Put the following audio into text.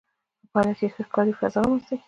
په پایله کې ښه کاري فضا رامنځته کیږي.